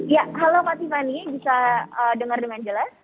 ya halo pak tiffany bisa dengar dengan jelas